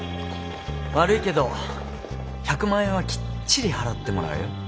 悪いけど１００万円はきっちり払ってもらうよ。